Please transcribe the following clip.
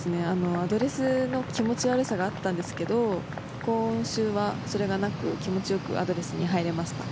アドレスの気持ち悪さがあったんですが今週はそれがなく気持ちよくアドレスに入れました。